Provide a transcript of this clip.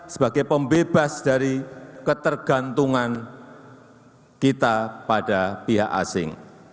sebagai pembebas dari ketergantungan kita pada pihak asing